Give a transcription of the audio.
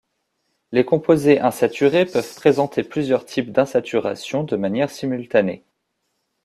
Les composés insaturés peuvent présenter plusieurs types d'insaturations de manière simultanée.